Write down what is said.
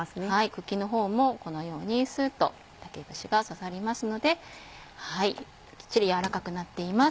茎のほうもこのようにスッと竹串が刺さりますのできっちり軟らかくなっています。